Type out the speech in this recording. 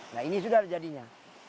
nah ini sudah jadinya